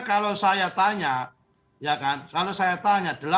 karena kalau saya tanya